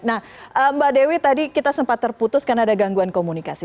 nah mbak dewi tadi kita sempat terputus karena ada gangguan komunikasi